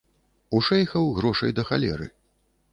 У шэйхаў грошай да халеры.